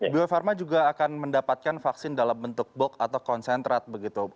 bio farma juga akan mendapatkan vaksin dalam bentuk box atau konsentrat begitu